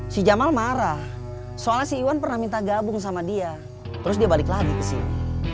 si jamal marah soalnya si iwan pernah minta gabung sama dia terus dia balik lagi ke sini